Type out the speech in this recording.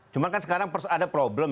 cuma kan sekarang ada problem